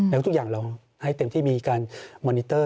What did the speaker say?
แล้วทุกอย่างเราให้เต็มที่มีการมอนิเตอร์